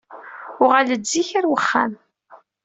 Uɣal-d zik ar wexxam.